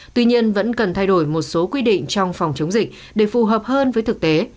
tuy nhiên vẫn cần thay đổi một số quy định trong phòng chống dịch để phù hợp hơn với thực tế